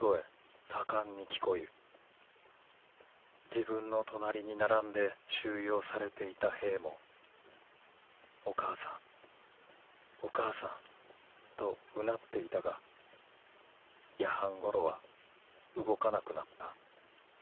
自分の隣に並んで収容されていた兵も『お母さんお母さん』とうなっていたが夜半ごろは動かなくなった。